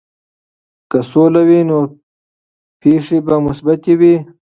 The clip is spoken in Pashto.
که سوله وي، نو پېښې به مثبتې وي.